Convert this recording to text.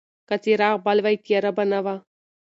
که څراغ بل وای، تیاره به نه وه.